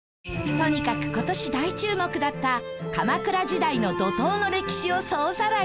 とにかく今年大注目だった鎌倉時代の怒濤の歴史を総ざらい！